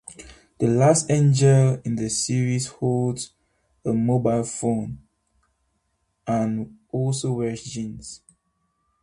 The last angel in the series holds a mobile phone and also wears jeans.